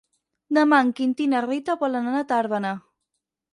Demà en Quintí i na Rita volen anar a Tàrbena.